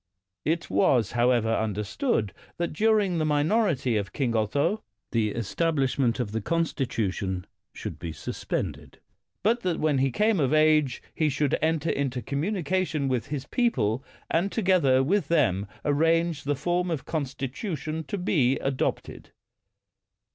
It was, however, understood that during the minority of King Otho the establishment of the constitution should be sus pended ; but that when he came of age he should enter into communication with his people and together with them arrange the form of consti tution to be adopted.